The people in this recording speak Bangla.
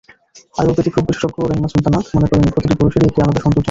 আয়ুর্বেদিক রূপবিশেষজ্ঞ রাহিমা সুলতানা মনে করেন, প্রতিটি বয়সেরই একটি আলাদা সৌন্দর্য আছে।